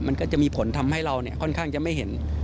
มันก็จะมีผลทำให้เราค่อนข้างจะไม่เห็น